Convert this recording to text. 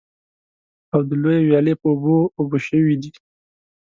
او د لویې ويالې په اوبو اوبه شوي دي.